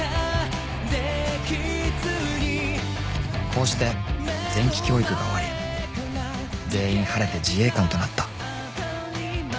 ［こうして前期教育が終わり全員晴れて自衛官となった］